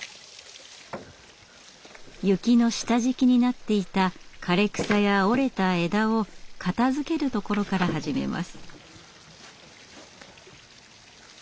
雪の下敷きになっていた枯れ草や折れた枝を片づけるところから始めます。